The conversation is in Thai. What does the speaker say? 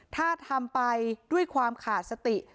ถ้าทำไปด้วยความขาดสติ